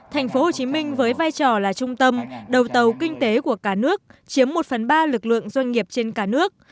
thành phố hồ chí minh với vai trò là trung tâm đầu tàu kinh tế của cả nước chiếm một phần ba lực lượng doanh nghiệp trên cả nước